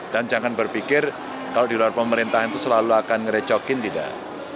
jangan berpikir kalau di luar pemerintahan itu selalu akan ngerecokin tidak